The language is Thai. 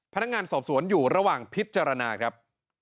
พนักงานสอบสวนอยู่ระหว่างพิจารณาครับ